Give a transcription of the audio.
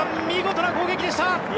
見事な攻撃でした！